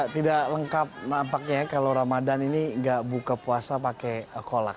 tidak lengkap nampaknya kalau ramadhan ini tidak buka puasa pakai kolak